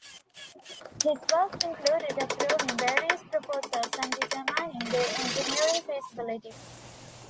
His work included approving various proposals and determining their engineering feasibility.